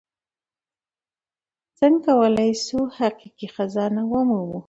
څنګه کولی شو حقیقي خزانه ومومو؟